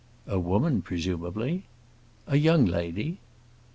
"A woman, presumably?" "A young lady."